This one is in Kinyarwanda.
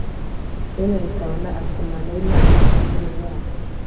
Ben Rutabana afite manda y’imyaka ibiri kuri uyu mwanya